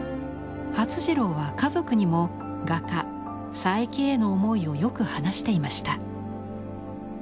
發次郎は家族にも画家佐伯への思いをよく話していました。